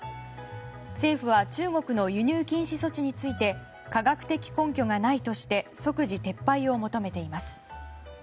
政府は中国の輸入禁止措置について科学的根拠がないとして即時撤廃を求めています。